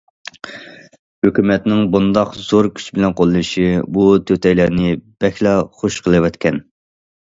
ھۆكۈمەتنىڭ بۇنداق زور كۈچ بىلەن قوللىشى، بۇ تۆتەيلەننى بەكلا خۇش قىلىۋەتكەن.